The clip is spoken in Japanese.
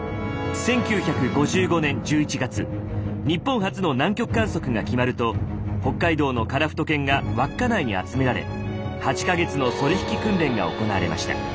１９５５年１１月日本初の南極観測が決まると北海道のカラフト犬が稚内に集められ８か月のソリ引き訓練が行われました。